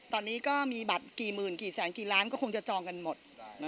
ตอนนี้ก็มีบัตรกี่หมื่นกี่แสนกี่ล้านก็คงจะจองกันหมด